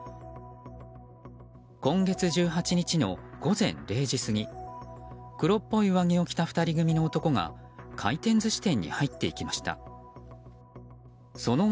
今月１８日の午前０時過ぎ黒っぽい上着を着た２人組の男が回転寿司店に入っていきました。